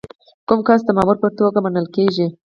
کوم کس د مامور په توګه منل کیږي؟